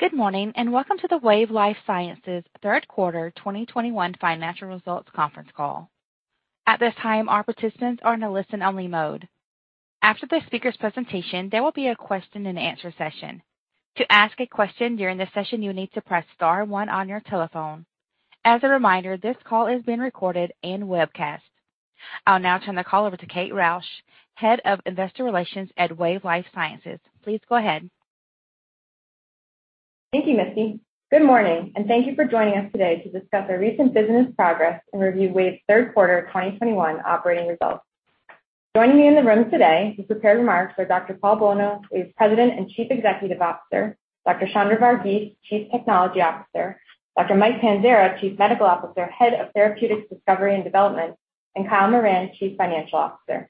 Good morning, and welcome to the Wave Life Sciences third quarter 2021 financial results conference call. At this time, all participants are in a listen only mode. After the speaker's presentation, there will be a question-and-answer session. To ask a question during the session, you need to press star one on your telephone. As a reminder, this call is being recorded and webcast. I'll now turn the call over to Kate Rausch, Head of Investor Relations at Wave Life Sciences. Please go ahead. Thank you, Marci. Good morning, and thank you for joining us today to discuss our recent business progress and review Wave's third quarter 2021 operating results. Joining me in the room today with prepared remarks are Dr. Paul Bolno, who is President and Chief Executive Officer, Dr. Chandra Vargeese, Chief Technology Officer, Dr. Michael Panzara, Chief Medical Officer, Head of Therapeutics Discovery and Development, and Kyle Moran, Chief Financial Officer.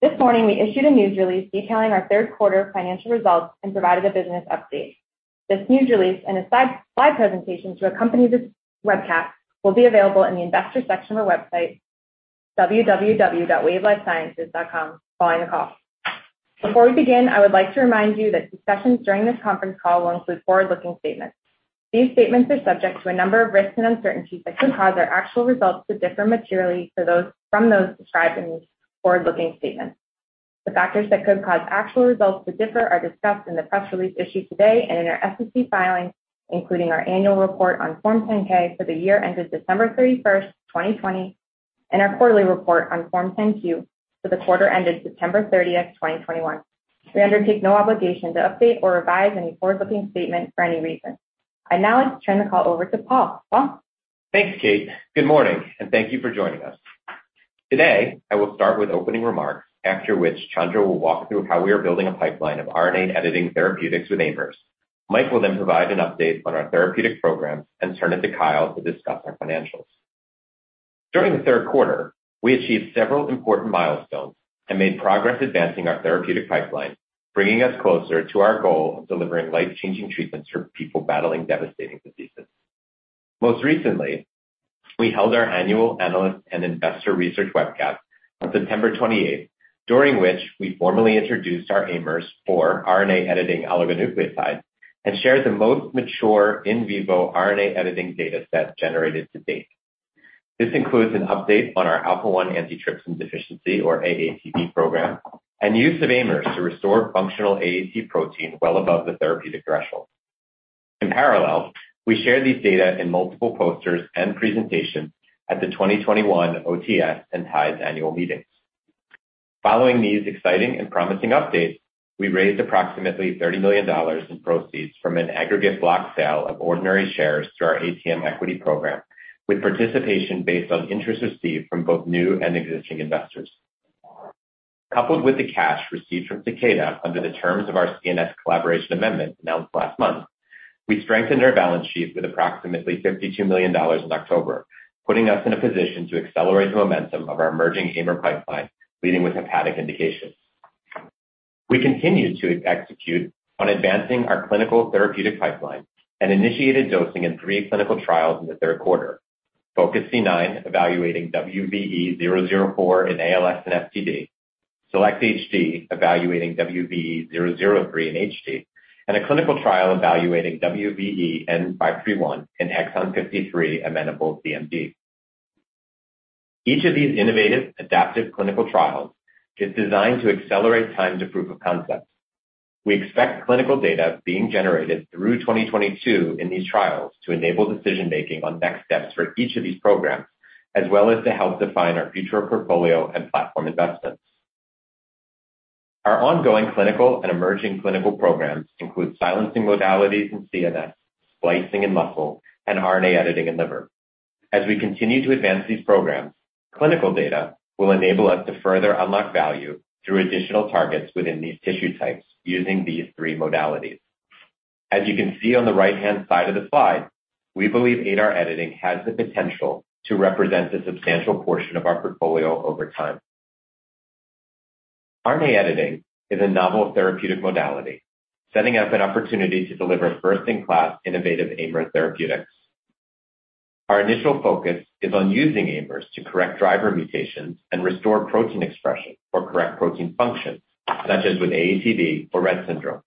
This morning, we issued a news release detailing our third quarter financial results and provided a business update. This news release and a slide presentation to accompany this webcast will be available in the investors section of our website www.wavelifesciences.com following the call. Before we begin, I would like to remind you that discussions during this conference call will include forward-looking statements. These statements are subject to a number of risks and uncertainties that could cause our actual results to differ materially from those described in these forward-looking statements. The factors that could cause actual results to differ are discussed in the press release issued today and in our SEC filings, including our annual report on Form 10-K for the year ended December 31st, 2020, and our quarterly report on Form 10-Q for the quarter ended September 30th, 2021. We undertake no obligation to update or revise any forward-looking statement for any reason. I'd now like to turn the call over to Paul. Paul? Thanks, Kate. Good morning, and thank you for joining us. Today, I will start with opening remarks after which Chandra will walk through how we are building a pipeline of RNA editing therapeutics with AIMers. Michael will then provide an update on our therapeutic programs and turn it to Kyle to discuss our financials. During the third quarter, we achieved several important milestones and made progress advancing our therapeutic pipeline, bringing us closer to our goal of delivering life-changing treatments for people battling devastating diseases. Most recently, we held our Annual Analyst and Investor Research Webcast on September 28th, during which we formally introduced our AIMers for RNA editing oligonucleotide and shared the most mature in vivo RNA editing data set generated to date. This includes an update on our alpha-1 antitrypsin deficiency or AATD program, and use of AIMers to restore functional AAT protein well above the therapeutic threshold. In parallel, we share these data in multiple posters and presentations at the 2021 OTS and TIDES annual meetings. Following these exciting and promising updates, we raised approximately $30 million in proceeds from an aggregate block sale of ordinary shares through our ATM equity program, with participation based on interest received from both new and existing investors. Coupled with the cash received from Takeda under the terms of our CNS collaboration amendment announced last month, we strengthened our balance sheet with approximately $52 million in October, putting us in a position to accelerate the momentum of our emerging AIMer pipeline, leading with hepatic indications. We continue to execute on advancing our clinical therapeutic pipeline and initiated dosing in three clinical trials in the third quarter. FOCUS-C9 evaluating WVE-004 in ALS and FTD, SELECT-HD evaluating WVE-003 in HD, and a clinical trial evaluating WVE-N531 in exon 53 amenable DMD. Each of these innovative adaptive clinical trials is designed to accelerate time to proof of concept. We expect clinical data being generated through 2022 in these trials to enable decision-making on next steps for each of these programs, as well as to help define our future portfolio and platform investments. Our ongoing clinical and emerging clinical programs include silencing modalities in CNS, splicing in muscle, and RNA editing in liver. As we continue to advance these programs, clinical data will enable us to further unlock value through additional targets within these tissue types using these three modalities. As you can see on the right-hand side of the slide, we believe ADAR editing has the potential to represent a substantial portion of our portfolio over time. RNA editing is a novel therapeutic modality, setting up an opportunity to deliver first-in-class innovative AIMer therapeutics. Our initial focus is on using AIMers to correct driver mutations and restore protein expression or correct protein function, such as with AATD or Rett syndrome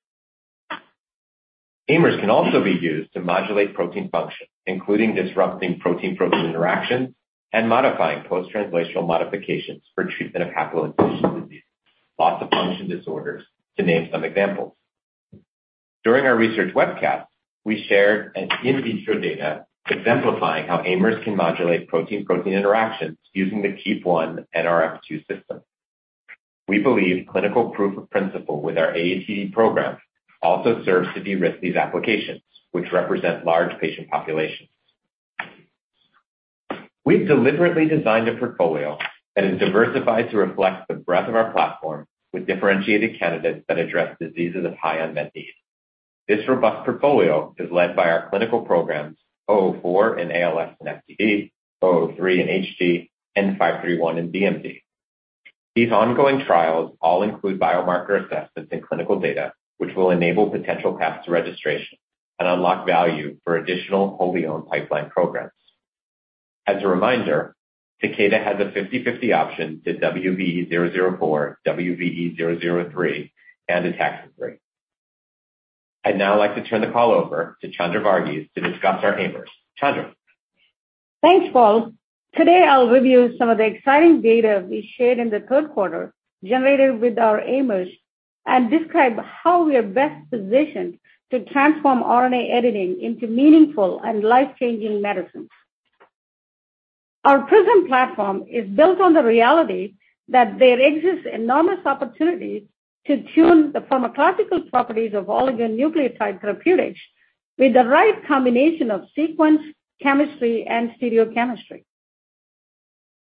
AIMers can also be used to modulate protein function, including disrupting protein-protein interactions and modifying post-translational modifications for treatment of hepatological disease, loss of function disorders to name some examples. During our research webcast, we shared in vitro data exemplifying how AIMers can modulate protein-protein interactions using the KEAP1/NRF2 system. We believe clinical proof of principle with our AATD program also serves to de-risk these applications, which represent large patient populations. We've deliberately designed a portfolio that is diversified to reflect the breadth of our platform with differentiated candidates that address diseases of high unmet need. This robust portfolio is led by our clinical programs WVE-004 in ALS and FTD, WVE-003 in HD, WVE-N531 in DMD. These ongoing trials all include biomarker assessments and clinical data, which will enable potential paths to registration and unlock value for additional wholly owned pipeline programs. As a reminder, Takeda has a 50/50 option to WVE-004, WVE-003, and ATXN3. I'd now like to turn the call over to Chandra Vargeese to discuss our AIMers. Chandra. Thanks, Paul. Today, I'll review some of the exciting data we shared in the third quarter generated with our AIMers and describe how we are best positioned to transform RNA editing into meaningful and life-changing medicines. Our PRISM platform is built on the reality that there exists enormous opportunity to tune the pharmacological properties of oligonucleotide therapeutics with the right combination of sequence, chemistry, and stereochemistry.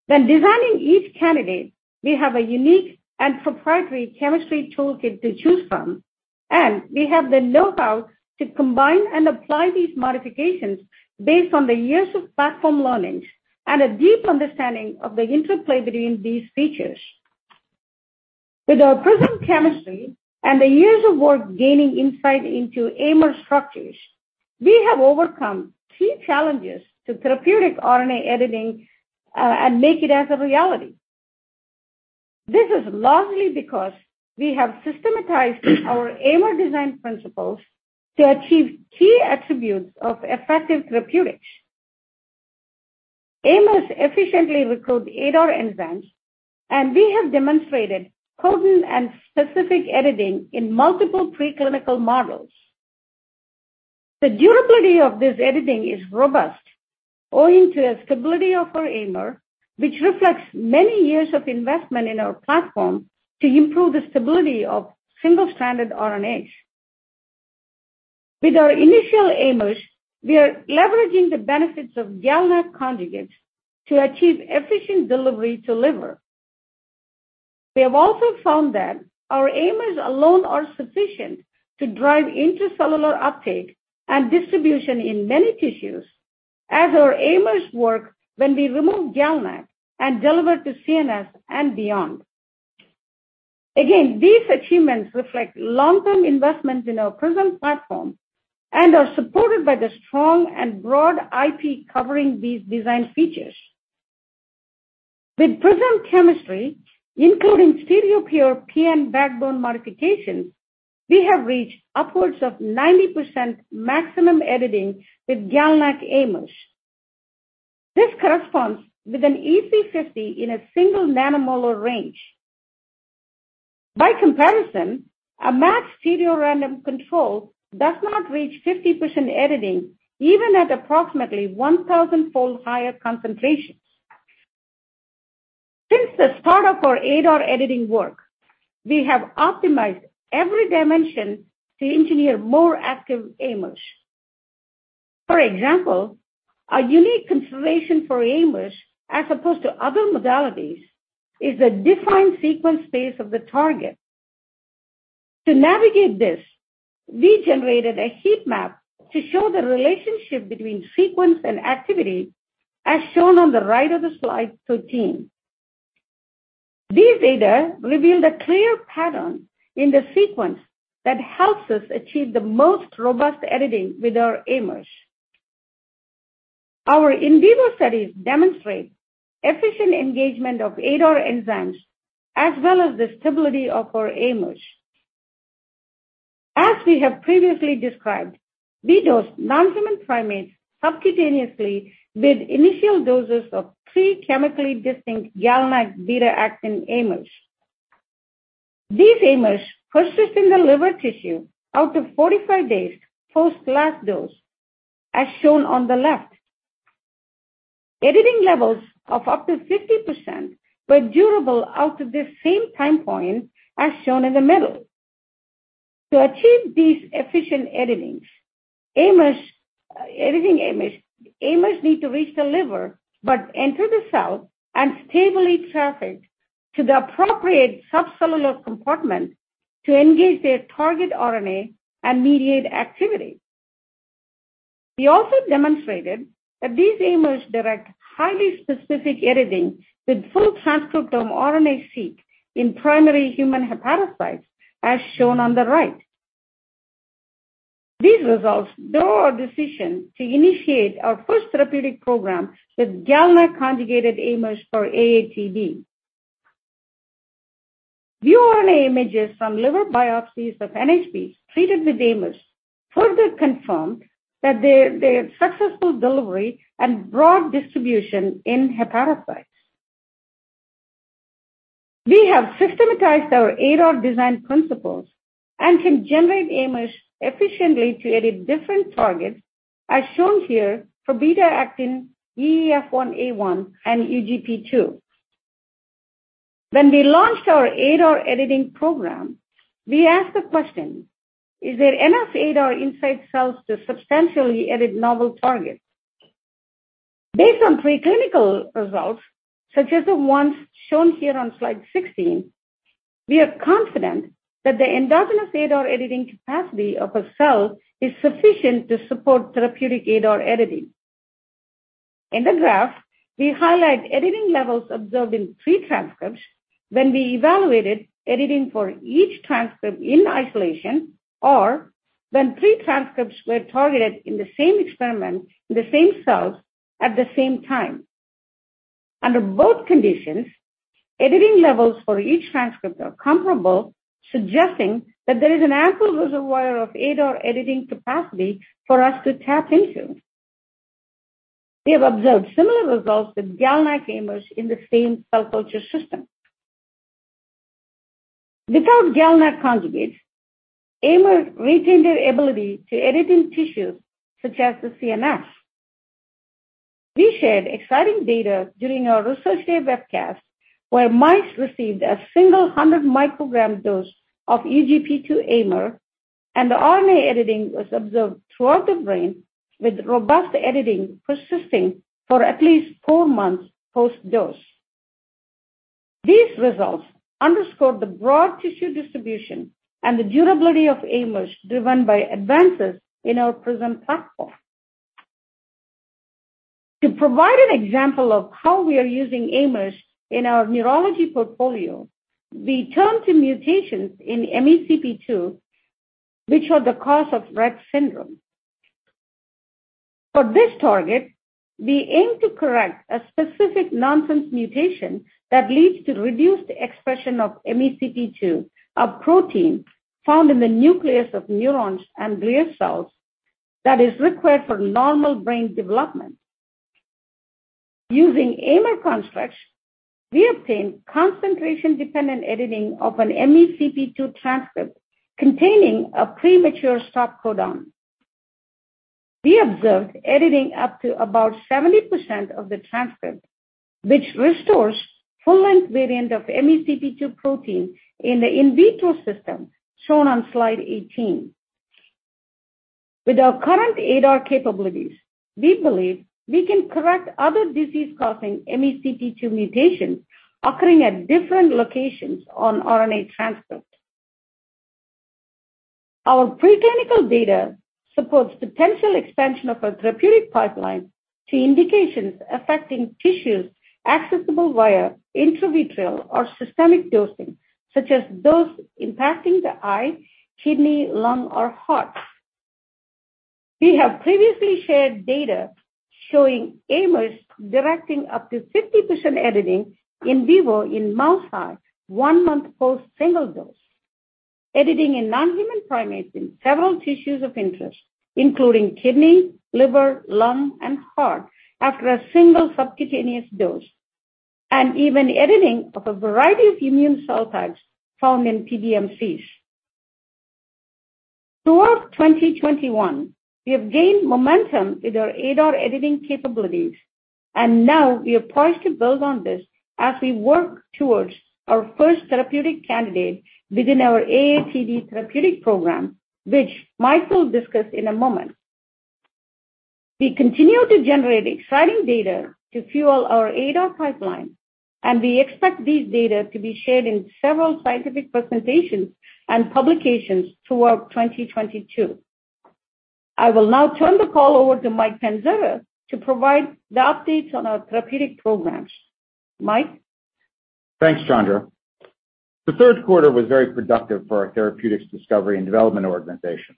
When designing each candidate, we have a unique and proprietary chemistry toolkit to choose from, and we have the know-how to combine and apply these modifications based on the years of platform learnings and a deep understanding of the interplay between these features. With our PRISM chemistry and the years of work gaining insight into AIMer structures, we have overcome key challenges to therapeutic RNA editing and make it a reality. This is largely because we have systematized our AIMer design principles to achieve key attributes of effective therapeutics. AIMers efficiently recruit ADAR enzymes, and we have demonstrated potent and specific editing in multiple preclinical models. The durability of this editing is robust owing to the stability of our AIMer, which reflects many years of investment in our platform to improve the stability of single-stranded RNAs. With our initial AIMers, we are leveraging the benefits of GalNAc conjugates to achieve efficient delivery to liver. We have also found that our AIMers alone are sufficient to drive intracellular uptake and distribution in many tissues as our AIMers work when we remove GalNAc and deliver to CNS and beyond. Again, these achievements reflect long-term investments in our PRISM platform and are supported by the strong and broad IP covering these design features. With PRISM chemistry, including stereo-pure PN backbone modifications, we have reached upwards of 90% maximum editing with GalNAc AIMers. This corresponds with an EC50 in a single nanomolar range. By comparison, a matched stereorandom control does not reach 50% editing even at approximately 1,000-fold higher concentrations. Since the start of our ADAR editing work, we have optimized every dimension to engineer more active AIMers. For example, a unique consideration for AIMers as opposed to other modalities is the defined sequence space of the target. To navigate this, we generated a heat map to show the relationship between sequence and activity, as shown on the right of slide 13. These data revealed a clear pattern in the sequence that helps us achieve the most robust editing with our AIMers. Our in vivo studies demonstrate efficient engagement of ADAR enzymes as well as the stability of our AIMers. As we have previously described, we dosed non-human primates subcutaneously with initial doses of three chemically distinct GalNAc beta-actin AIMers. These AIMers persisted in the liver tissue out to 45 days post last dose, as shown on the left. Editing levels of up to 50% were durable out to this same time point, as shown in the middle. To achieve these efficient editings, AIMers need to reach the liver, but enter the cell and stably traffic to the appropriate subcellular compartment to engage their target RNA and mediate activity. We also demonstrated that these AIMers direct highly specific editing with full transcriptome RNA-Seq in primary human hepatocytes, as shown on the right. These results drove our decision to initiate our first therapeutic program with GalNAc conjugated AIMers for AATD. View RNA images from liver biopsies of NHPs treated with AIMers further confirmed that their successful delivery and broad distribution in hepatocytes. We have systematized our ADAR design principles and can generate AIMers efficiently to edit different targets, as shown here for beta-actin, EEF1A1, and UGP2. When we launched our ADAR editing program, we asked the question. Is there enough ADAR inside cells to substantially edit novel targets? Based on preclinical results, such as the ones shown here on slide 16, we are confident that the endogenous ADAR editing capacity of a cell is sufficient to support therapeutic ADAR editing. In the graph, we highlight editing levels observed in three transcripts when we evaluated editing for each transcript in isolation or when three transcripts were targeted in the same experiment, in the same cells, at the same time. Under both conditions, editing levels for each transcript are comparable, suggesting that there is an ample reservoir of ADAR editing capacity for us to tap into. We have observed similar results with GalNAc AIMers in the same cell culture system. Without GalNAc conjugates, AIMers retain their ability to edit in tissues such as the CNS. We shared exciting data during our research day webcast, where mice received a single 100 microgram dose of UGP2 AIMer, and the RNA editing was observed throughout the brain, with robust editing persisting for at least four months post-dose. These results underscore the broad tissue distribution and the durability of AIMers driven by advances in our PRISM platform. To provide an example of how we are using AIMers in our neurology portfolio, we turn to mutations in MECP2, which are the cause of Rett syndrome. For this target, we aim to correct a specific nonsense mutation that leads to reduced expression of MECP2, a protein found in the nucleus of neurons and glial cells that is required for normal brain development. Using AIMer constructs, we obtain concentration-dependent editing of an MECP2 transcript containing a premature stop codon. We observed editing up to about 70% of the transcript, which restores full-length variant of MECP2 protein in the in vitro system shown on slide 18. With our current ADAR capabilities, we believe we can correct other disease-causing MECP2 mutations occurring at different locations on RNA transcripts. Our preclinical data supports potential expansion of our therapeutic pipeline to indications affecting tissues accessible via intravitreal or systemic dosing, such as those impacting the eye, kidney, lung or heart. We have previously shared data showing AIMers directing up to 50% editing in vivo in mouse eye one month post-single dose, editing in non-human primates in several tissues of interest, including kidney, liver, lung and heart after a single subcutaneous dose, and even editing of a variety of immune cell types found in PBMCs. Throughout 2021, we have gained momentum with our ADAR editing capabilities, and now we are poised to build on this as we work towards our first therapeutic candidate within our AATD therapeutic program, which Michael will discuss in a moment. We continue to generate exciting data to fuel our ADAR pipeline, and we expect these data to be shared in several scientific presentations and publications throughout 2022. I will now turn the call over to Michael Panzara to provide the updates on our therapeutic programs. Michael? Thanks, Chandra. The third quarter was very productive for our therapeutics discovery and development organizations.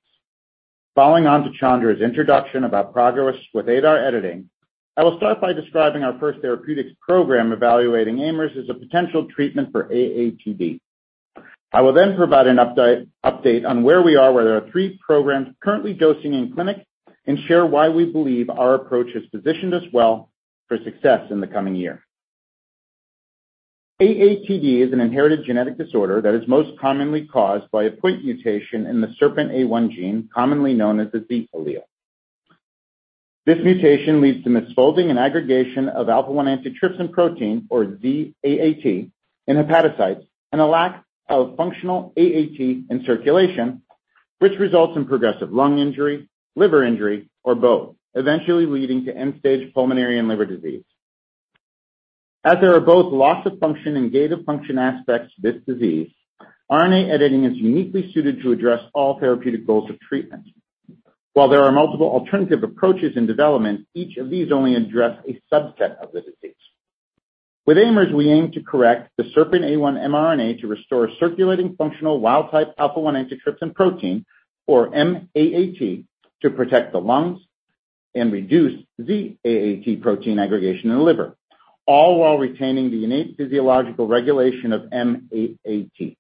Following on to Chandra's introduction about progress with ADAR editing, I will start by describing our first therapeutics program evaluating AIMers as a potential treatment for AATD. I will then provide an update on where we are with our three programs currently dosing in clinic and share why we believe our approach has positioned us well for success in the coming year. AATD is an inherited genetic disorder that is most commonly caused by a point mutation in the SERPINA1 gene, commonly known as the Z allele. This mutation leads to misfolding and aggregation of alpha-1 antitrypsin protein, or Z-AAT, in hepatocytes, and a lack of functional AAT in circulation, which results in progressive lung injury, liver injury or both, eventually leading to end-stage pulmonary and liver disease. As there are both loss of function and gain of function aspects to this disease, RNA editing is uniquely suited to address all therapeutic goals of treatment. While there are multiple alternative approaches in development, each of these only address a subset of the disease. With AIMers, we aim to correct the SERPINA1 mRNA to restore circulating functional wild type alpha-1 antitrypsin protein, or M-AAT, to protect the lungs and reduce Z-AAT protein aggregation in the liver, all while retaining the innate physiological regulation of M-AAT.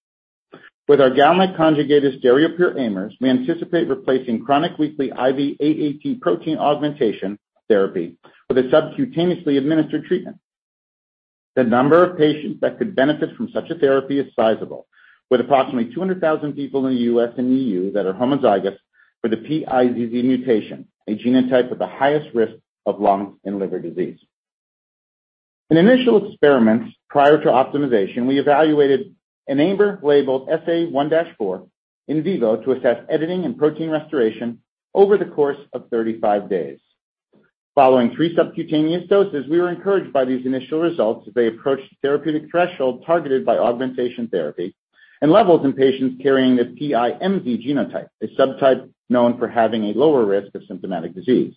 With our GalNAc conjugated stereopure AIMers, we anticipate replacing chronic weekly IV AAT protein augmentation therapy with a subcutaneously administered treatment. The number of patients that could benefit from such a therapy is sizable, with approximately 200,000 people in the U.S. and EU that are homozygous for the PiZZ mutation, a genotype with the highest risk of lung and liver disease. In initial experiments prior to optimization, we evaluated an AIMer-labeled SA1-4 in vivo to assess editing and protein restoration over the course of 35 days. Following three subcutaneous doses, we were encouraged by these initial results as they approached therapeutic threshold targeted by augmentation therapy and levels in patients carrying the PiMZ genotype, a subtype known for having a lower risk of symptomatic disease.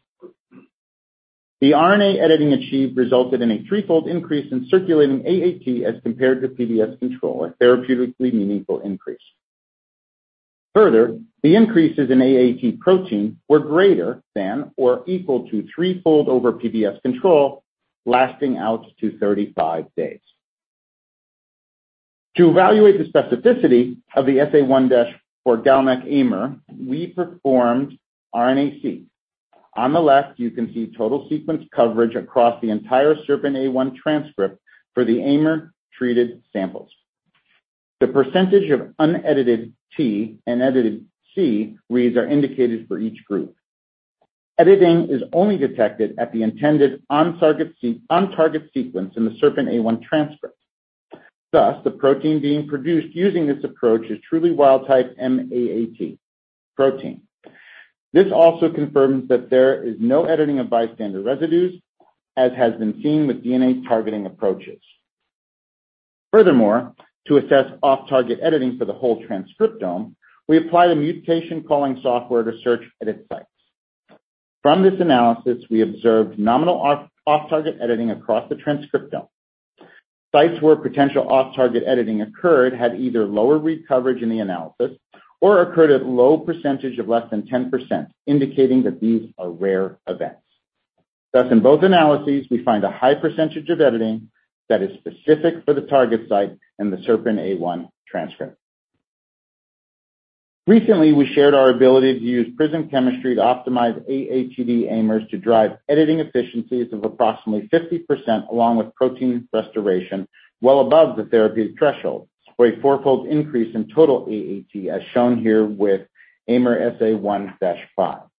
The RNA editing achieved resulted in a threefold increase in circulating AAT as compared to PBS control, a therapeutically meaningful increase. Further, the increases in AAT protein were greater than or equal to threefold over PBS control, lasting out to 35 days. To evaluate the specificity of the SA-1-4 GalNAc AIMer, we performed RNA-Seq. On the left, you can see total sequence coverage across the entire SERPINA1 transcript for the AIMer-treated samples. The percentage of unedited T and edited C reads are indicated for each group. Editing is only detected at the intended on-target sequence in the SERPINA1 transcript. Thus, the protein being produced using this approach is truly wild-type M-AAT protein. This also confirms that there is no editing of bystander residues, as has been seen with DNA targeting approaches. Furthermore, to assess off-target editing for the whole transcriptome, we applied a mutation calling software to search edit sites. From this analysis, we observed nominal off-target editing across the transcriptome. Sites where potential off-target editing occurred had either lower read coverage in the analysis or occurred at low percentage of less than 10%, indicating that these are rare events. Thus, in both analyses, we find a high percentage of editing that is specific for the target site and the SERPINA1 transcript. Recently, we shared our ability to use PRISM chemistry to optimize AAT AIMers to drive editing efficiencies of approximately 50% along with protein restoration well above the therapeutic threshold, for a four-fold increase in total AAT, as shown here with AIMer SA1-5.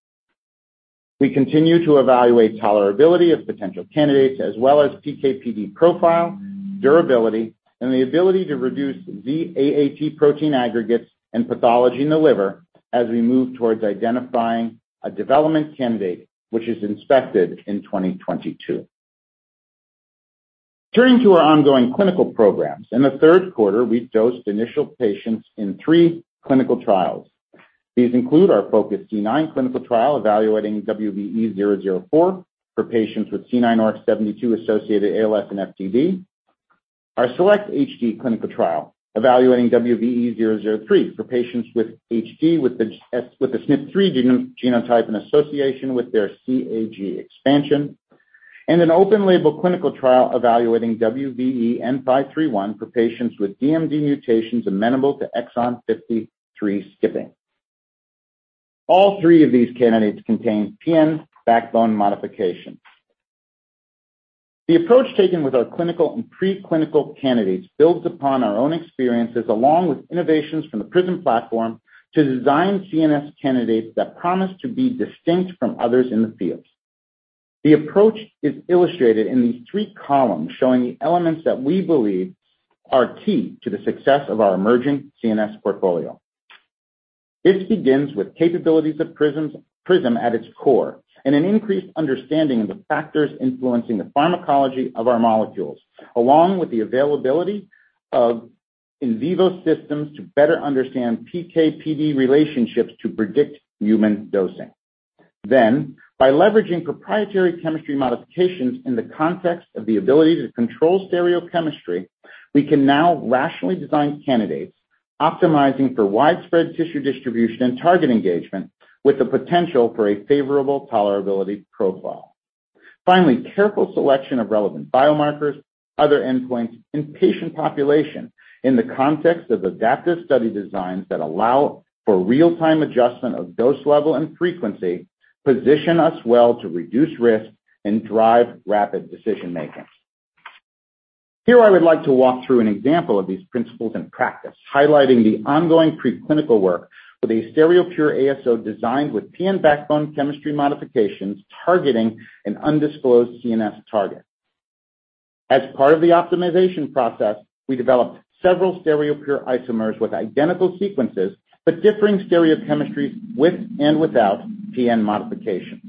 We continue to evaluate tolerability of potential candidates as well as PK/PD profile, durability, and the ability to reduce Z-AAT protein aggregates and pathology in the liver as we move towards identifying a development candidate which is expected in 2022. Turning to our ongoing clinical programs, in the third quarter, we dosed initial patients in three clinical trials. These include our FOCUS-C9 clinical trial evaluating WVE-004 for patients with C9orf72 associated ALS and FTD. Our SELECT-HD clinical trial evaluating WVE-003 for patients with HD with the SNP3 genotype in association with their CAG expansion. An open label clinical trial evaluating WVE-N531 for patients with DMD mutations amenable to exon 53 skipping. All three of these candidates contain PN backbone modifications. The approach taken with our clinical and pre-clinical candidates builds upon our own experiences along with innovations from the PRISM platform to design CNS candidates that promise to be distinct from others in the field. The approach is illustrated in these three columns showing the elements that we believe are key to the success of our emerging CNS portfolio. This begins with capabilities of PRISM's, PRISM at its core, and an increased understanding of the factors influencing the pharmacology of our molecules, along with the availability of in vivo systems to better understand PK/PD relationships to predict human dosing. By leveraging proprietary chemistry modifications in the context of the ability to control stereochemistry, we can now rationally design candidates optimizing for widespread tissue distribution and target engagement with the potential for a favorable tolerability profile. Careful selection of relevant biomarkers, other endpoints in patient population in the context of adaptive study designs that allow for real-time adjustment of dose level and frequency position us well to reduce risk and drive rapid decision-making. Here I would like to walk through an example of these principles in practice, highlighting the ongoing pre-clinical work with a stereopure ASO designed with PN backbone chemistry modifications targeting an undisclosed CNS target. As part of the optimization process, we developed several stereopure isomers with identical sequences, but differing stereochemistry with and without PN modifications.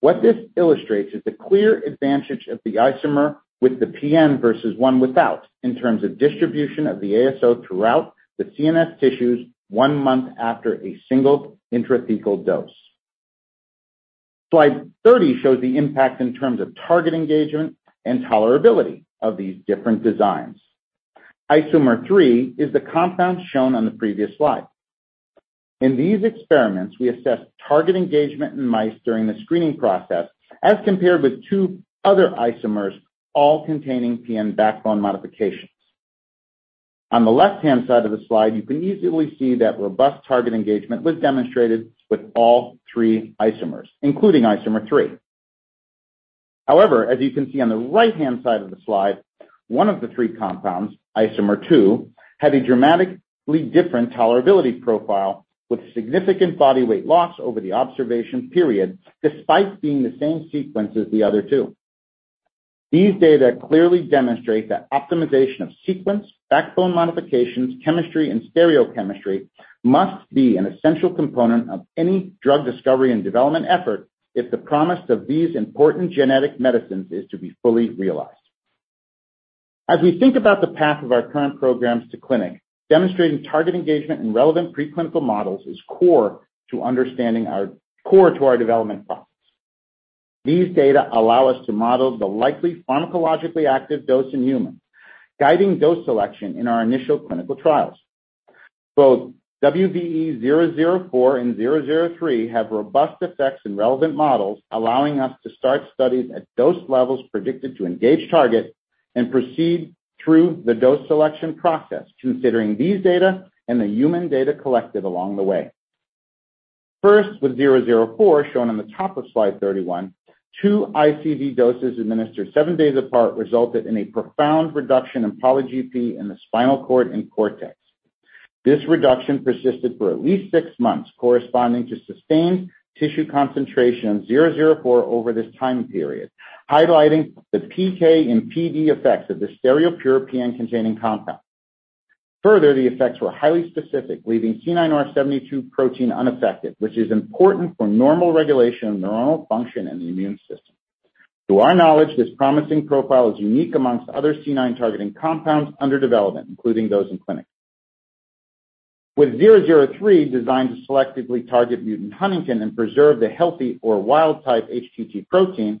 What this illustrates is the clear advantage of the isomer with the PN versus one without in terms of distribution of the ASO throughout the CNS tissues one month after a single intrathecal dose. Slide 30 shows the impact in terms of target engagement and tolerability of these different designs. Isomer III is the compound shown on the previous slide. In these experiments, we assess target engagement in mice during the screening process as compared with two other isomers, all containing PN backbone modifications. On the left-hand side of the slide, you can easily see that robust target engagement was demonstrated with all three isomers, including isomer III. However, as you can see on the right-hand side of the slide, one of the three compounds, isomer II, had a dramatically different tolerability profile with significant body weight loss over the observation period, despite being the same sequence as the other two. These data clearly demonstrate that optimization of sequence, backbone modifications, chemistry, and stereochemistry must be an essential component of any drug discovery and development effort if the promise of these important genetic medicines is to be fully realized. As we think about the path of our current programs to clinic, demonstrating target engagement in relevant preclinical models is core to our development process. These data allow us to model the likely pharmacologically active dose in humans, guiding dose selection in our initial clinical trials. Both WVE-004 and WVE-003 have robust effects in relevant models, allowing us to start studies at dose levels predicted to engage targets and proceed through the dose selection process, considering these data and the human data collected along the way. First, with WVE-004 shown on the top of slide 31, 2 ICV doses administered seven days apart resulted in a profound reduction in poly(GP) in the spinal cord and cortex. This reduction persisted for at least six months, corresponding to sustained tissue concentration of WVE-004 over this time period, highlighting the PK and PD effects of the stereopure PN-containing compound. Further, the effects were highly specific, leaving C9orf72 protein unaffected, which is important for normal regulation of neuronal function in the immune system. To our knowledge, this promising profile is unique amongst other C9 targeting compounds under development, including those in clinic. With WVE-003 designed to selectively target mutant huntingtin and preserve the healthy or wild type HTT protein,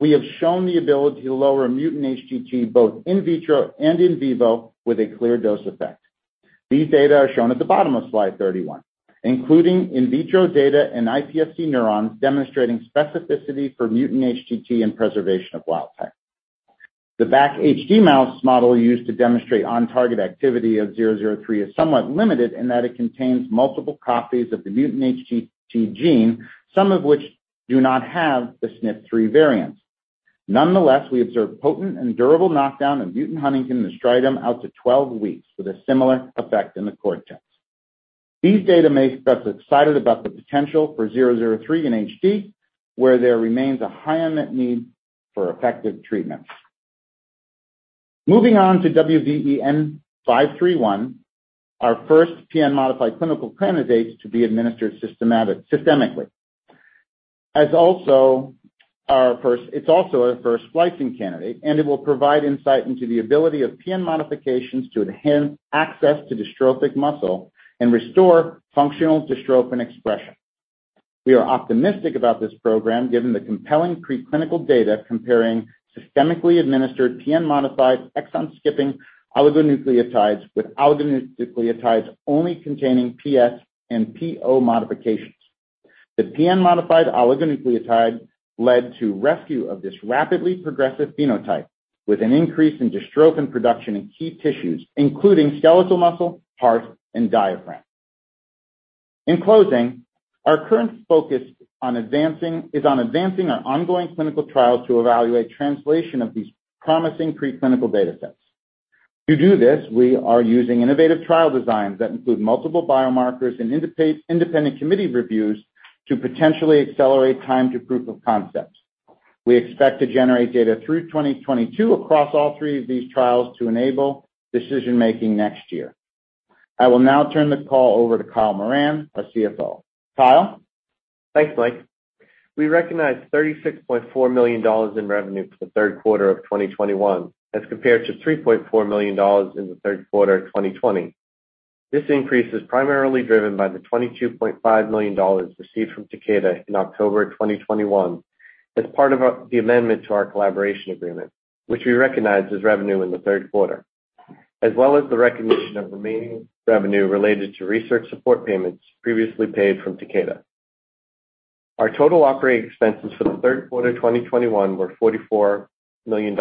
we have shown the ability to lower mutant HTT both in vitro and in vivo with a clear dose effect. These data are shown at the bottom of slide 31, including in vitro data in iPSC neurons demonstrating specificity for mutant HTT and preservation of wild type. The BACHD mouse model used to demonstrate on-target activity of WVE-003 is somewhat limited in that it contains multiple copies of the mutant HTT gene, some of which do not have the SNP3 variant. Nonetheless, we observed potent and durable knockdown of mutant huntingtin in the striatum out to 12 weeks with a similar effect in the cortex. These data make us excited about the potential for WVE-003 in HD, where there remains a high unmet need for effective treatments. Moving on to WVE-N531, our first PN-modified clinical candidates to be administered systemically. It's also our first splicing candidate, and it will provide insight into the ability of PN modifications to enhance access to dystrophic muscle and restore functional dystrophin expression. We are optimistic about this program, given the compelling preclinical data comparing systemically administered PN-modified exon-skipping oligonucleotides with oligonucleotides only containing PS and PO modifications. The PN-modified oligonucleotide led to rescue of this rapidly progressive phenotype with an increase in dystrophin production in key tissues, including skeletal muscle, heart, and diaphragm. In closing, our current focus is on advancing our ongoing clinical trials to evaluate translation of these promising preclinical data sets. To do this, we are using innovative trial designs that include multiple biomarkers and independent committee reviews to potentially accelerate time to proof of concepts. We expect to generate data through 2022 across all three of these trials to enable decision-making next year. I will now turn the call over to Kyle Moran, our CFO. Kyle? Thanks, Michael. We recognized $36.4 million in revenue for the third quarter of 2021 as compared to $3.4 million in the third quarter of 2020. This increase is primarily driven by the $22.5 million received from Takeda in October 2021 as part of the amendment to our collaboration agreement, which we recognized as revenue in the third quarter, as well as the recognition of remaining revenue related to research support payments previously paid from Takeda. Our total operating expenses for the third quarter 2021 were $44 million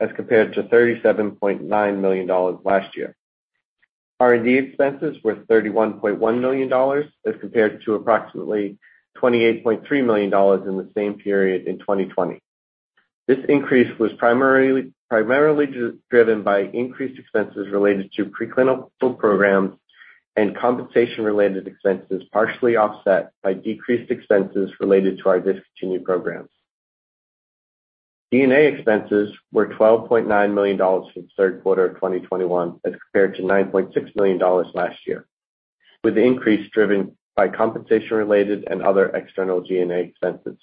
as compared to $37.9 million last year. R&D expenses were $31.1 million as compared to approximately $28.3 million in the same period in 2020. This increase was primarily driven by increased expenses related to preclinical programs and compensation-related expenses, partially offset by decreased expenses related to our discontinued programs. G&A expenses were $12.9 million for the third quarter of 2021 as compared to $9.6 million last year, with the increase driven by compensation-related and other external G&A expenses.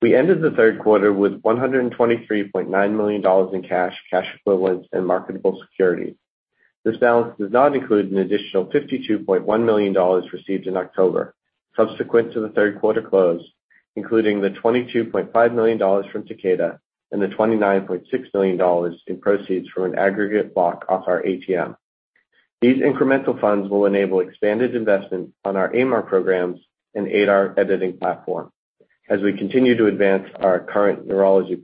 We ended the third quarter with $123.9 million in cash equivalents and marketable securities. This balance does not include an additional $52.1 million received in October subsequent to the third quarter close, including the $22.5 million from Takeda and the $29.6 million in proceeds from an aggregate block of our ATM. These incremental funds will enable expanded investment on our AIMer programs and ADAR editing platform as we continue to advance our current neurology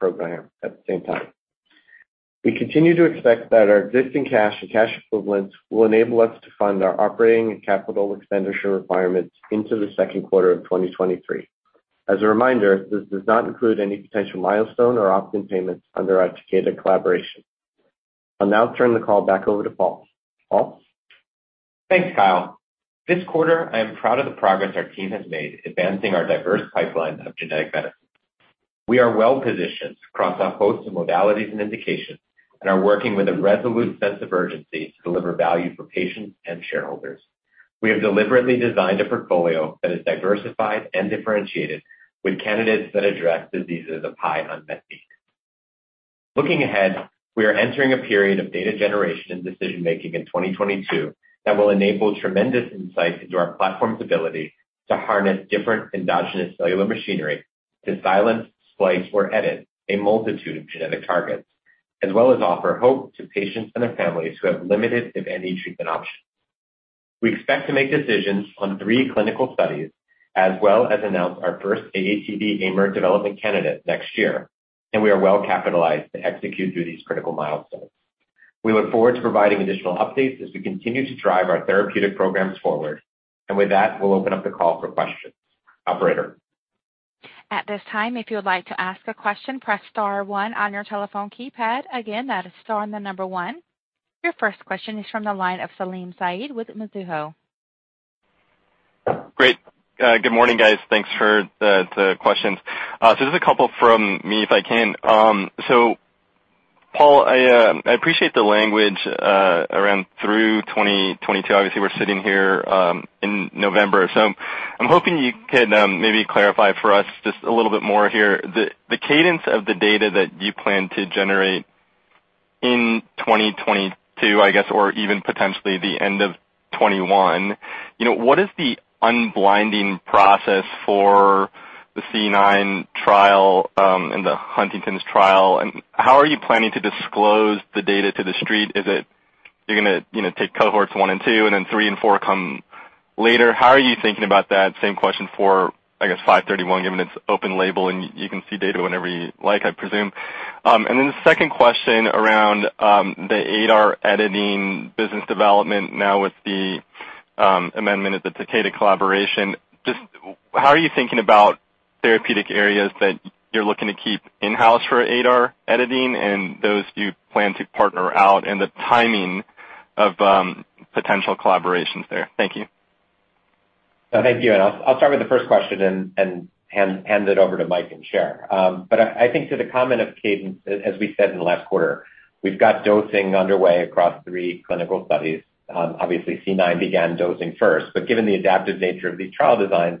program at the same time. We continue to expect that our existing cash and cash equivalents will enable us to fund our operating and capital expenditure requirements into the second quarter of 2023. As a reminder, this does not include any potential milestone or opt-in payments under our Takeda collaboration. I'll now turn the call back over to Paul. Paul? Thanks, Kyle. This quarter, I am proud of the progress our team has made advancing our diverse pipeline of genetic medicines. We are well-positioned across our host of modalities and indications and are working with a resolute sense of urgency to deliver value for patients and shareholders. We have deliberately designed a portfolio that is diversified and differentiated with candidates that address diseases of high unmet need. Looking ahead, we are entering a period of data generation and decision-making in 2022 that will enable tremendous insight into our platform's ability to harness different endogenous cellular machinery to silence, splice, or edit a multitude of genetic targets, as well as offer hope to patients and their families who have limited, if any, treatment options. We expect to make decisions on three clinical studies as well as announce our first AATD AIMer development candidate next year, and we are well-capitalized to execute through these critical milestones. We look forward to providing additional updates as we continue to drive our therapeutic programs forward. With that, we'll open up the call for questions. Operator? Your first question is from the line of Salim Syed with Mizuho. Great. Good morning, guys. Thanks for the questions. So just a couple from me, if I can. So Paul, I appreciate the language around through 2022. Obviously, we're sitting here in November. I'm hoping you can maybe clarify for us just a little bit more here. The cadence of the data that you plan to generate in 2022, I guess, or even potentially the end of 2021, you know, what is the unblinding process for the C9 trial and the Huntington's trial? And how are you planning to disclose the data to The Street? Is it you're gonna, you know, take cohorts 1 and 2, and then 3 and 4 come later? How are you thinking about that? Same question for, I guess, WVE-N531, given it's open label and you can see data whenever you like, I presume. And then the second question around the ADAR editing business development now with the amendment of the Takeda collaboration. Just how are you thinking about therapeutic areas that you're looking to keep in-house for ADAR editing and those you plan to partner out and the timing of potential collaborations there? Thank you. Thank you. I'll start with the first question and hand it over to Michael and Chandra. I think to the comment of cadence, as we said in the last quarter, we've got dosing underway across three clinical studies. Obviously, C9 began dosing first. Given the adaptive nature of these trial designs,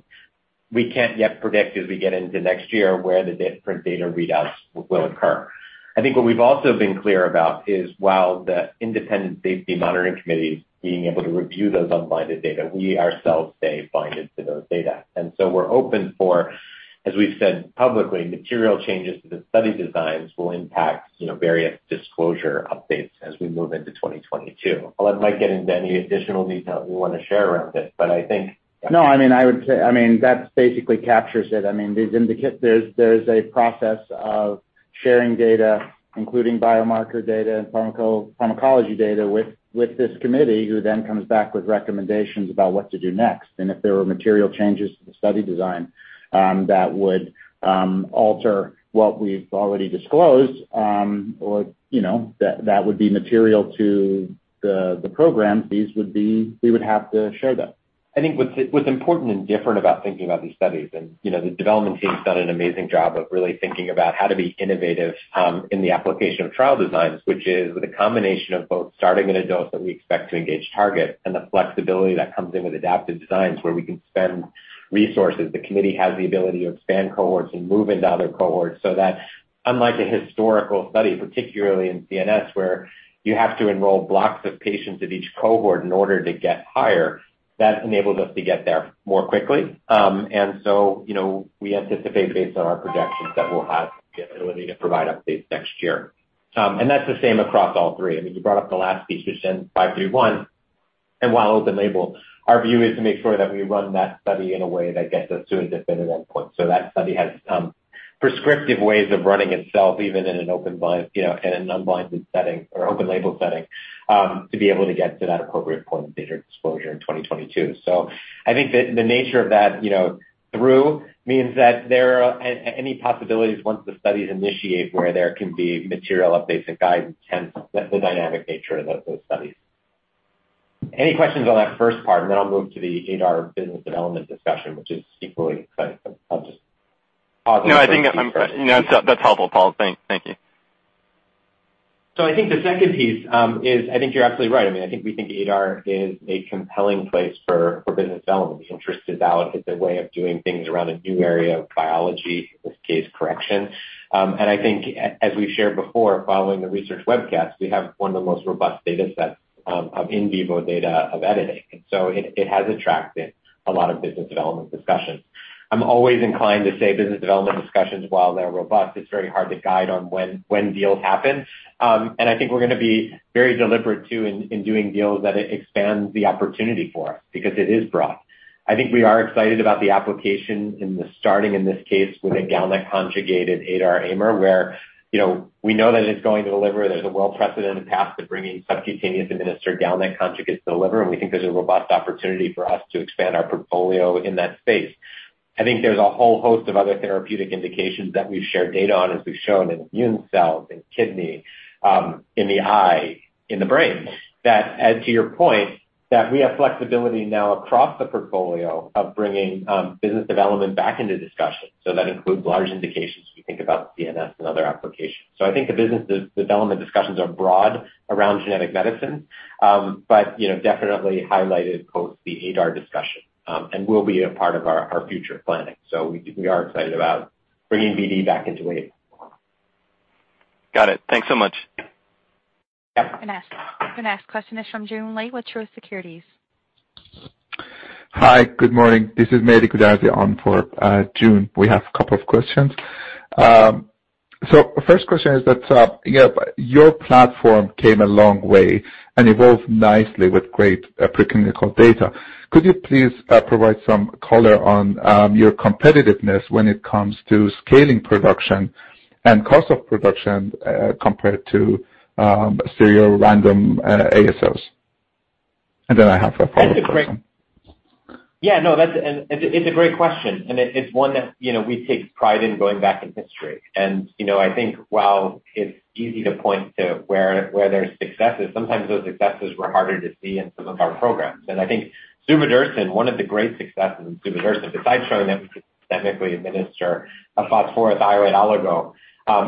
we can't yet predict as we get into next year where the different data readouts will occur. I think what we've also been clear about is while the independent safety monitoring committee is being able to review those unblinded data, we ourselves stay blinded to those data. We're open for, as we've said publicly, material changes to the study designs will impact various disclosure updates as we move into 2022. I'll let Michael get into any additional detail that we wanna share around it. I think- No, I mean, I would say. I mean, that basically captures it. I mean, there's a process of sharing data, including biomarker data and pharmacology data with this committee, who then comes back with recommendations about what to do next. If there were material changes to the study design, that would alter what we've already disclosed, or you know, that would be material to the program. We would have to share them. I think what's important and different about thinking about these studies and, you know, the development team's done an amazing job of really thinking about how to be innovative in the application of trial designs, which is with a combination of both starting in adults that we expect to engage target and the flexibility that comes in with adaptive designs where we can spend resources. The committee has the ability to expand cohorts and move into other cohorts so that unlike a historical study, particularly in CNS, where you have to enroll blocks of patients of each cohort in order to get higher, that enables us to get there more quickly. You know, we anticipate based on our projections that we'll have the ability to provide updates next year. That's the same across all three. I mean, you brought up the last piece, which is five three one. While open label, our view is to make sure that we run that study in a way that gets us to a definitive endpoint. That study has prescriptive ways of running itself, even in an open-label, you know, in an unblinded setting or open label setting, to be able to get to that appropriate point of data exposure in 2022. I think the nature of that, you know, that means that there are any possibilities once the studies initiate where there can be material updates and guidance hence the dynamic nature of those studies. Any questions on that first part, and then I'll move to the ADAR business development discussion, which is equally exciting, but I'll just pause there. No, that's helpful, Paul. Thank you. I think the second piece is I think you're absolutely right. I mean, I think we think ADAR is a compelling place for business development. Interest is out. It's a way of doing things around a new area of biology, in this case correction. I think as we've shared before following the research webcast, we have one of the most robust data sets of in vivo data of editing. It has attracted a lot of business development discussions. I'm always inclined to say business development discussions, while they're robust, it's very hard to guide on when deals happen. I think we're gonna be very deliberate too in doing deals that expand the opportunity for us because it is broad. I think we are excited about the application, in this case, with a GalNAc-conjugated ADAR AIMer where, you know, we know that it's going to deliver. There's a well-precedented path to bringing subcutaneously administered GalNAc conjugates to the liver, and we think there's a robust opportunity for us to expand our portfolio in that space. I think there's a whole host of other therapeutic indications that we've shared data on as we've shown in immune cells, in kidney, in the eye, in the brain, that add to your point that we have flexibility now across the portfolio of bringing business development back into discussion. That includes large indications as we think about CNS and other applications. I think the business development discussions are broad around genetic medicine, but, you know, definitely highlighted post the ADAR discussion, and will be a part of our future planning. We are excited about bringing BD back into the mix. Got it. Thanks so much. The next question is from Joon Lee with Truist Securities. Hi, good morning. This is Mary Stroth Hodge on for Joon. We have a couple of questions. First question is that your platform came a long way and evolved nicely with great preclinical data. Could you please provide some color on your competitiveness when it comes to scaling production and cost of production compared to stereorandom ASOs? And then I have a follow-up question. It's a great question, and it's one that, you know, we take pride in going back in history. You know, I think while it's easy to point to where there's successes, sometimes those successes were harder to see in some of our programs. I think suvodirsen, one of the great successes in suvodirsen, besides showing that we could systemically administer a phosphorothioate oligo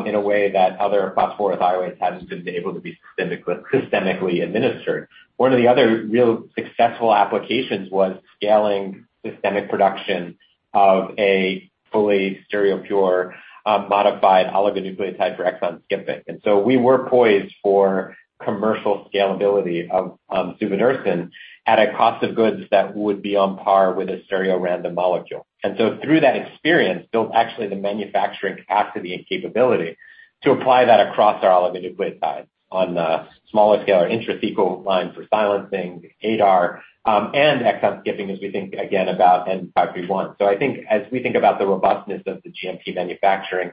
in a way that other phosphorothioates hadn't been able to be systemically administered. One of the other real successful applications was scaling systemic production of a fully stereopure modified oligonucleotide for exon skipping. We were poised for commercial scalability of suvodirsen at a cost of goods that would be on par with a stereorandom molecule. Through that experience, built actually the manufacturing capacity and capability to apply that across our oligonucleotide on a smaller scale or intrasequence line for silencing ADAR, and exon skipping, as we think again about EN521. I think as we think about the robustness of the GMP manufacturing,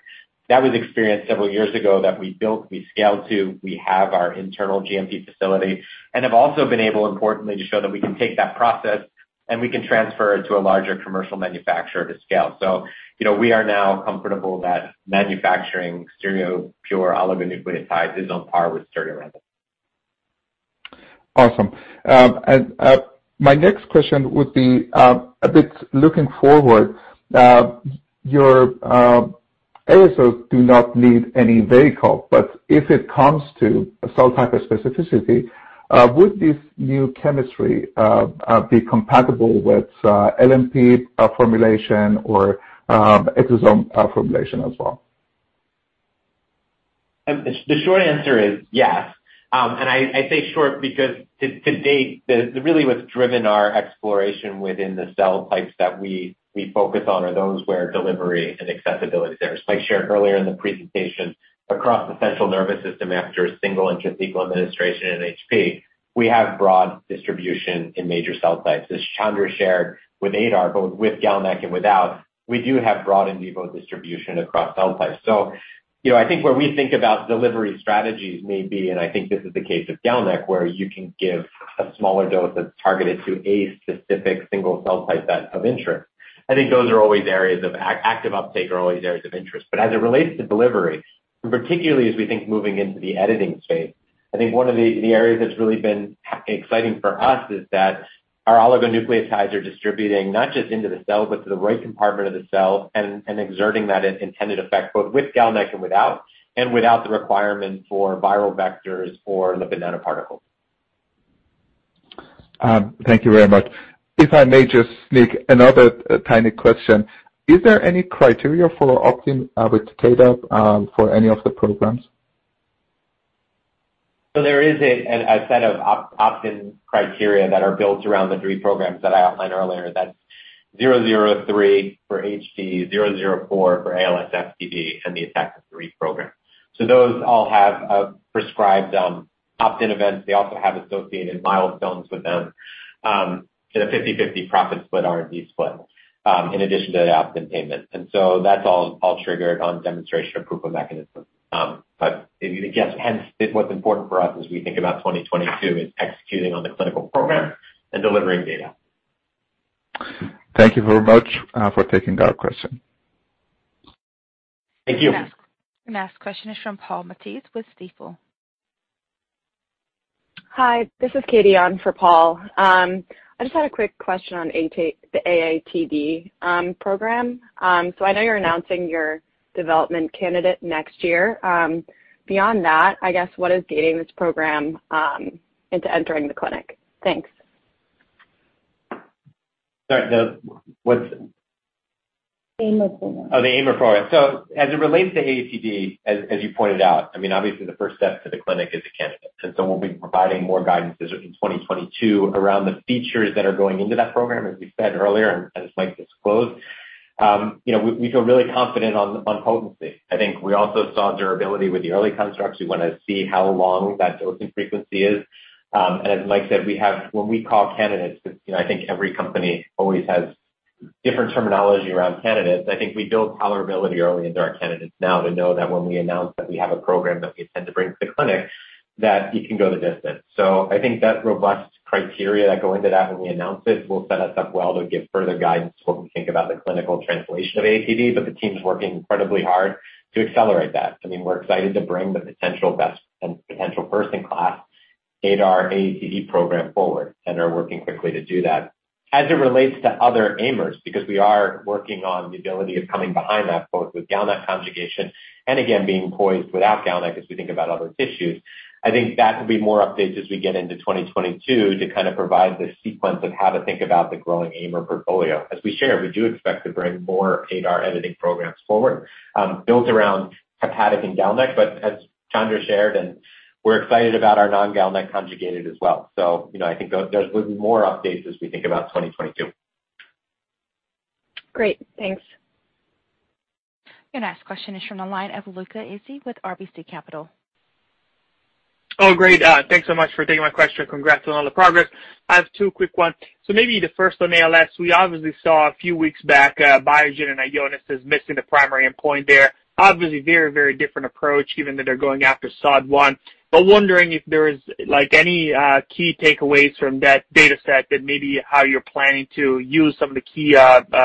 that was experienced several years ago that we built, we scaled to, we have our internal GMP facility and have also been able, importantly, to show that we can take that process and we can transfer it to a larger commercial manufacturer to scale. You know, we are now comfortable that manufacturing stereopure oligonucleotides is on par with stereorandom. Awesome. My next question would be a bit looking forward. Your ASOs do not need any vehicle, but if it comes to cell type of specificity, would this new chemistry be compatible with LNP formulation or exosome formulation as well? The short answer is yes. I say short because to date, really what's driven our exploration within the cell types that we focus on are those where delivery and accessibility. As Michael shared earlier in the presentation, across the central nervous system after a single intrathecal administration in NHP, we have broad distribution in major cell types. As Chandra shared with ADAR, both with GalNAc and without, we do have broad in vivo distribution across cell types. You know, I think where we think about delivery strategies may be, and I think this is the case of GalNAc, where you can give a smaller dose that's targeted to a specific single cell type that of interest. I think those are always areas of active uptake are always areas of interest. As it relates to delivery, and particularly as we think moving into the editing space, I think one of the areas that's really been exciting for us is that our oligonucleotides are distributing not just into the cell, but to the right compartment of the cell and exerting that intended effect, both with GalNAc and without, and without the requirement for viral vectors or lipid nanoparticles. Thank you very much. If I may just sneak another tiny question. Is there any criteria for opt-in with data, for any of the programs? There is a set of opt-in criteria that are built around the three programs that I outlined earlier. That's 003 for HD, 004 for ALS/FTD, and the ATXN3 program. Those all have prescribed opt-in events. They also have associated milestones with them in a 50/50 profit split R&D split in addition to the opt-in payment. That's all triggered on demonstration of proof of mechanism. Hence it was important for us as we think about 2022 is executing on the clinical program and delivering data. Thank you very much for taking our question. Thank you. The next question is from Paul Matteis with Stifel. Hi, this is Katie on for Paul. I just had a quick question on the AATD program. I know you're announcing your development candidate next year. Beyond that, I guess what is gating this program into entering the clinic? Thanks. Sorry, the-- What's... AIMer program. Oh, the AIMer program. As it relates to AATD, as you pointed out, I mean, obviously the first step to the clinic is a candidate. We'll be providing more guidance in 2022 around the features that are going into that program, as we said earlier, and as Michael disclosed. You know, we feel really confident on potency. I think we also saw durability with the early constructs. We wanna see how long that dosing frequency is. As Michael said, we have what we call candidates. You know, I think every company always has different terminology around candidates. I think we build tolerability early into our candidates now to know that when we announce that we have a program that we intend to bring to the clinic, that it can go the distance. I think that robust criteria that go into that when we announce it will set us up well to give further guidance when we think about the clinical translation of AATD, but the team's working incredibly hard to accelerate that. I mean, we're excited to bring the potential best and potential first-in-class ADAR AATD program forward and are working quickly to do that. As it relates to other AIMers, because we are working on the ability of coming behind that both with GalNAc conjugation and again being poised without GalNAc as we think about other tissues. I think that will be more updates as we get into 2022 to kind of provide the sequence of how to think about the growing AIMer portfolio. As we share, we do expect to bring more ADAR editing programs forward, built around hepatic and GalNAc, but as Chandra shared, and we're excited about our non-GalNAc conjugated as well. You know, I think there's gonna be more updates as we think about 2022. Great. Thanks. Your next question is from the line of Luca Issi with RBC Capital. Oh, great. Thanks so much for taking my question. Congrats on all the progress. I have two quick ones. Maybe the first on ALS. We obviously saw a few weeks back, Biogen and Ionis as missing the primary endpoint there. Obviously very, very different approach, even though they're going after SOD1. Wondering if there is like any, key takeaways from that data set that maybe how you're planning to use some of the key,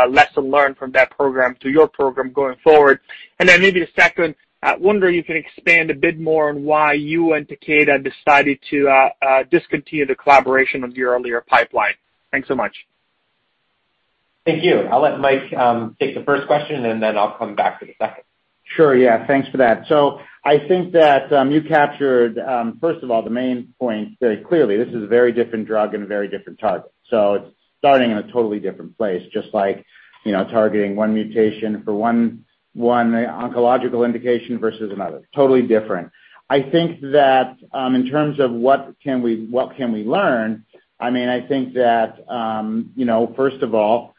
lesson learned from that program to your program going forward. Maybe the second, I wonder if you can expand a bit more on why you and Takeda decided to, discontinue the collaboration of your earlier pipeline. Thanks so much. Thank you. I'll let Michael take the first question, and then I'll come back for the second. Sure. Yeah, thanks for that. I think that you captured first of all the main point very clearly. This is a very different drug and a very different target. It's starting in a totally different place, just like you know targeting one mutation for one neurological indication versus another, totally different. I think that in terms of what can we learn, I mean I think that you know first of all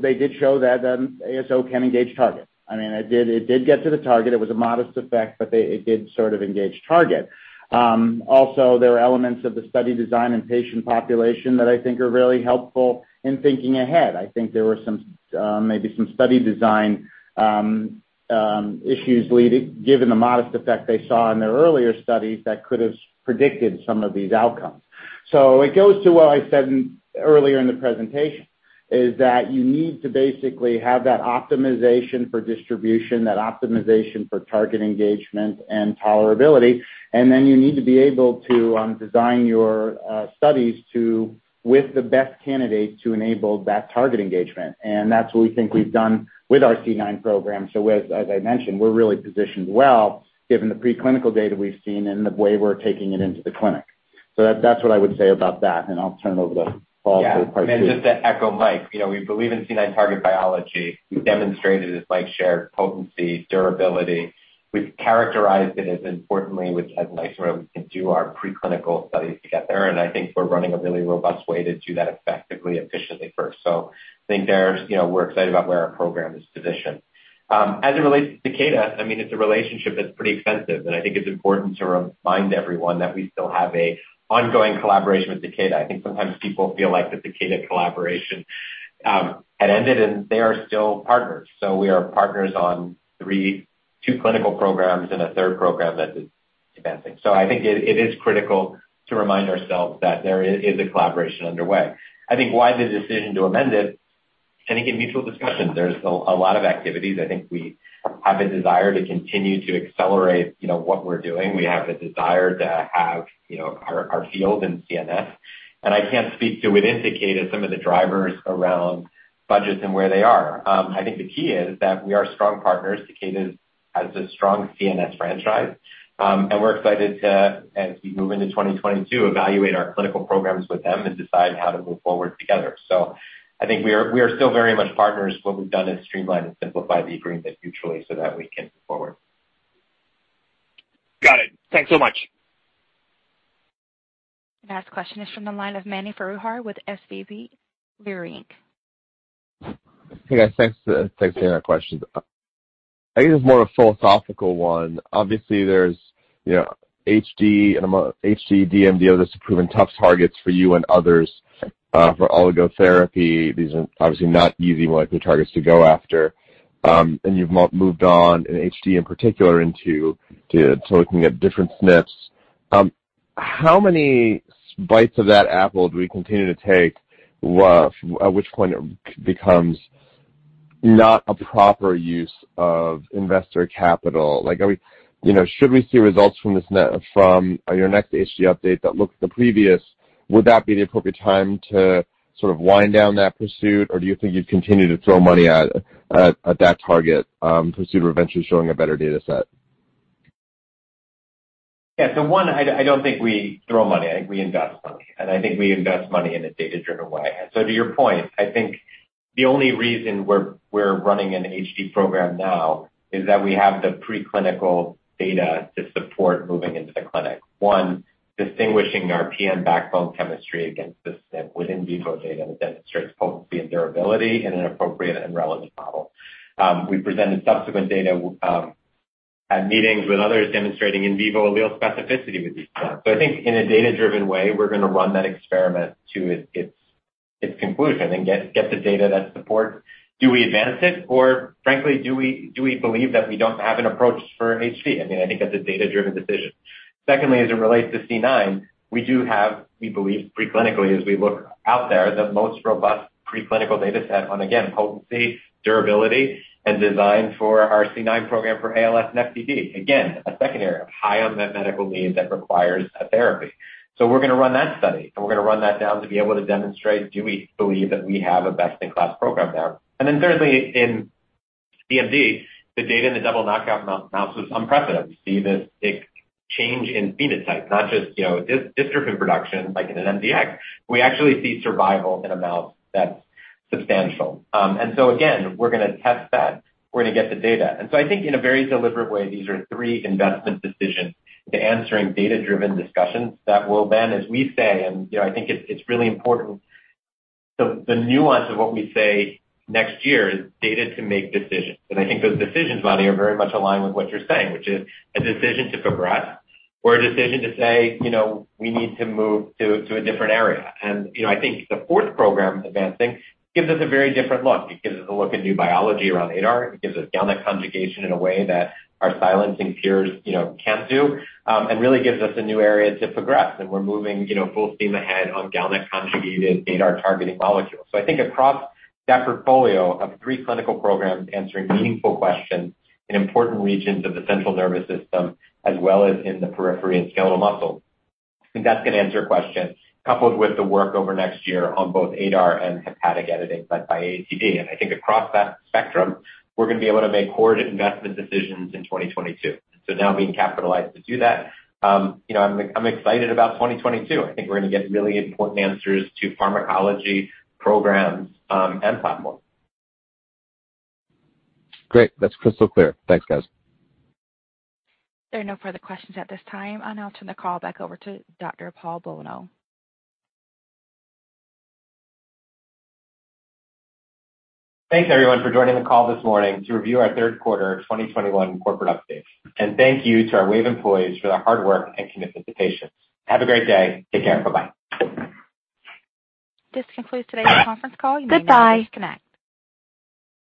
they did show that ASO can engage target. I mean it did get to the target. It was a modest effect, but it did sort of engage target. Also there are elements of the study design and patient population that I think are really helpful in thinking ahead. I think there were some, maybe some study design issues leading, given the modest effect they saw in their earlier studies that could have predicted some of these outcomes. It goes to what I said earlier in the presentation, is that you need to basically have that optimization for distribution, that optimization for target engagement and tolerability. Then you need to be able to design your studies with the best candidates to enable that target engagement. That's what we think we've done with our C9 program. As I mentioned, we're really positioned well, given the pre-clinical data we've seen and the way we're taking it into the clinic. That's what I would say about that, and I'll turn it over to Paul for part two. Yeah. Just to echo Michael, you know, we believe in C9 target biology. We've demonstrated, as Michael shared, potency, durability. We've characterized it as importantly with, as Michael said, we can do our preclinical studies to get there, and I think we're running a really robust way to do that effectively, efficiently first. I think there's, you know, we're excited about where our program is positioned. As it relates to Takeda, I mean, it's a relationship that's pretty extensive, and I think it's important to remind everyone that we still have an ongoing collaboration with Takeda. I think sometimes people feel like the Takeda collaboration had ended, and they are still partners. We are partners on three, two clinical programs and a third program that is advancing. I think it is critical to remind ourselves that there is a collaboration underway. I think why the decision to amend it. I think in mutual discussions, there's a lot of activities. I think we have a desire to continue to accelerate, you know, what we're doing. We have a desire to have, you know, our field in CNS. I can't speak to the indicated some of the drivers around budgets and where they are. I think the key is that we are strong partners. Takeda has a strong CNS franchise. We're excited to, as we move into 2022, evaluate our clinical programs with them and decide how to move forward together. I think we are still very much partners. What we've done is streamline and simplify the agreement mutually so that we can move forward. Got it. Thanks so much. The next question is from the line of Mani Foroohar with SVB Leerink. Hey, guys. Thanks for taking our questions. I think it's more a philosophical one. Obviously, there's, you know, HD and among HD, DMD, those have proven tough targets for you and others for oligotherapy. These are obviously not easy likely targets to go after. And you've moved on in HD in particular into looking at different SNPs. How many bites of that apple do we continue to take? Well, at which point it becomes not a proper use of investor capital? Like, are we, you know, should we see results from your next HD update that looks the previous, would that be the appropriate time to sort of wind down that pursuit? Or do you think you'd continue to throw money at that target pursuit or eventually showing a better data set? Yeah. One, I don't think we throw money. I think we invest money, and I think we invest money in a data-driven way. To your point, I think the only reason we're running an HD program now is that we have the pre-clinical data to support moving into the clinic. One, distinguishing our PM backbone chemistry against the SNP with in vivo data that demonstrates potency and durability in an appropriate and relevant model. We presented subsequent data at meetings with others demonstrating in vivo allele specificity with these products. I think in a data-driven way, we're gonna run that experiment to its conclusion and get the data that supports do we advance it, or frankly, do we believe that we don't have an approach for HD? I mean, I think that's a data-driven decision. Secondly, as it relates to C9, we do have, we believe pre-clinically as we look out there, the most robust pre-clinical data set on, again, potency, durability, and design for our C9 program for ALS and FTD. Again, a second area of high unmet medical need that requires a therapy. We're gonna run that study, and we're gonna run that down to be able to demonstrate, do we believe that we have a best-in-class program there? Then thirdly, in DMD, the data in the double knockout mouse was unprecedented. We see this big change in phenotype, not just, you know, disrupting production like in an MDX. We actually see survival in a mouse that's substantial. Again, we're gonna test that. We're gonna get the data. I think in a very deliberate way, these are three investment decisions to answering data-driven discussions that will then, as we say, you know, I think it's really important. The nuance of what we say next year is data to make decisions. I think those decisions, Mani, are very much aligned with what you're saying, which is a decision to progress or a decision to say, you know, we need to move to a different area. You know, I think the fourth program advancing gives us a very different look. It gives us a look at new biology around ADAR. It gives us GalNAc conjugation in a way that our silencing peers, you know, can't do. And really gives us a new area to progress. We're moving, you know, full steam ahead on GalNAc-conjugated ADAR-targeting molecules. I think across that portfolio of three clinical programs answering meaningful questions in important regions of the central nervous system as well as in the periphery and skeletal muscle, I think that's gonna answer your question, coupled with the work over next year on both ADAR and hepatic editing led by AATD. I think across that spectrum, we're gonna be able to make hard investment decisions in 2022. Now being capitalized to do that, you know, I'm excited about 2022. I think we're gonna get really important answers to pharmacology programs and platforms. Great. That's crystal clear. Thanks, guys. There are no further questions at this time. I'll now turn the call back over to Dr. Paul Bolno. Thanks everyone for joining the call this morning to review our third quarter of 2021 corporate update. Thank you to our Wave employees for their hard work and commitment to patients. Have a great day. Take care. Bye-bye. This concludes today's conference call. You may now disconnect. Goodbye.